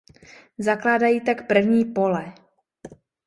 Zakládají tak první pole.